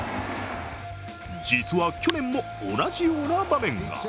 実は去年も同じような場面が。